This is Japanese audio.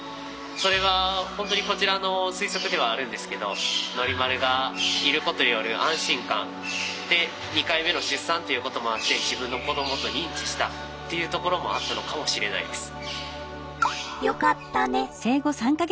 それは本当にこちらの推測ではあるんですけどノリマルがいることによる安心感で２回目の出産っていうこともあって自分の子どもと認知したっていうところもあったのかもしれないです。